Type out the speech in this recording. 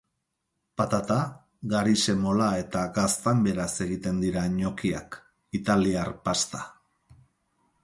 Patata, gari semola eta gaztanberaz egiten dira gnoqui-ak, italiar pasta.